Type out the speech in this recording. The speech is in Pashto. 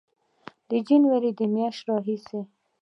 د جنورۍ میاشتې راهیسې